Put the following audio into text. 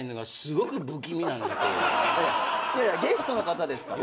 いやいやゲストの方ですから。